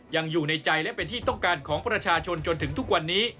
ยังอยู่ในใจและเป็นที่ต้องการของประชาชนจนถึงทุกวันนี้